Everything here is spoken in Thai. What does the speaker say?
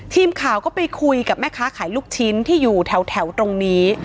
ทีมข่าวก็ไปคุยกับแม่ค้าขายลูกชิ้นที่อยู่แถวตรงนี้